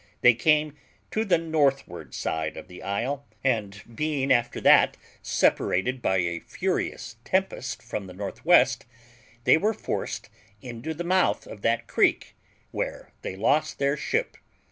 they came to the northward of the isle, and being after that separated by a furious tempest from the N.W., they were forced into the mouth of that creek, where they lost their ship.